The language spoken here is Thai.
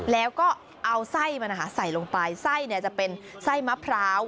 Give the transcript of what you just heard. แล้วก็เอาไส้มาใส่ลงไปไส้จะเป็นไส้มะพร้าวหวาน